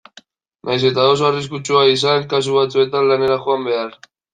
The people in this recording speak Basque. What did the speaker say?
Nahiz eta oso arriskutsua izan kasu batzuetan lanera joan behar.